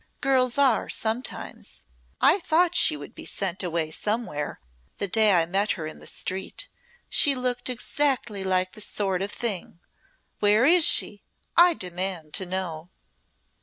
Girls are, sometimes. I thought she would be sent away somewhere, the day I met her in the street. She looked exactly like that sort of thing. Where is she? I demand to know."